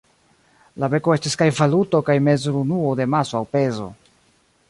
La beko estis kaj valuto kaj mezurunuo de maso aŭ pezo.